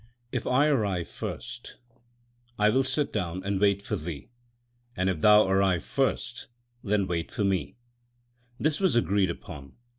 If I arrive first, I will sit down and wait for thee ; and if thou arrive first, then wait for me/ This was agreed upon.